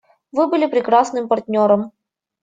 Вы были прекрасным партнером.